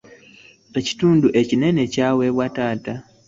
Ekitundu ekinene kyaweebwa taata.